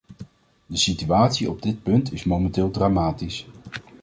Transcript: De situatie op dit punt is momenteel dramatisch.